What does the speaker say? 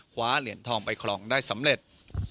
คว้าเหรียญทองไปครองได้สำเร็จ